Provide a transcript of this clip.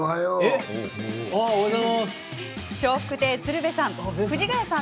笑福亭鶴瓶さん。